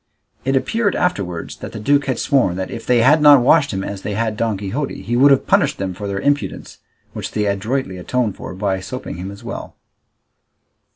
It appeared afterwards that the duke had sworn that if they had not washed him as they had Don Quixote he would have punished them for their impudence, which they adroitly atoned for by soaping him as well.